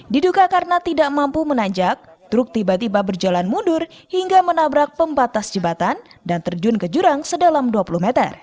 diduga karena tidak mampu menanjak truk tiba tiba berjalan mundur hingga menabrak pembatas jembatan dan terjun ke jurang sedalam dua puluh meter